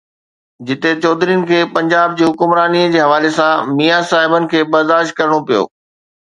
جتي چوڌرين کي پنجاب جي حڪمرانيءَ جي حوالي سان ميان صاحبن کي برداشت ڪرڻو پيو.